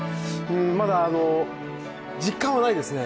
まだ実感はないですね。